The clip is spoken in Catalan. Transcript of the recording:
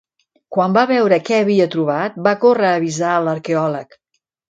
Quan va veure què havia trobat, va córrer a avisar l'arqueòleg.